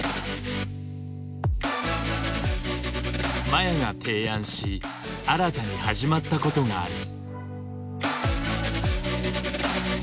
麻也が提案し新たに始まったことがある。